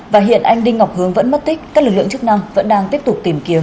và hiện anh đinh ngọc hướng vẫn mất tích các lực lượng chức năng vẫn đang tiếp tục tìm kiếm